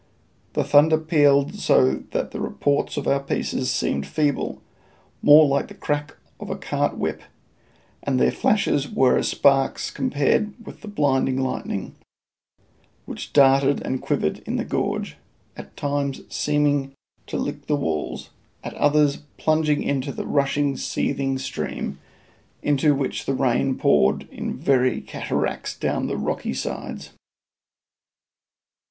The thunder pealed so that the reports of our pieces seemed feeble, more like the crack of a cart whip, and their flashes were as sparks compared with the blinding lightning, which darted and quivered in the gorge, at times seeming to lick the walls, at others plunging into the rushing, seething stream, into which the rain poured in very cataracts down the rocky sides.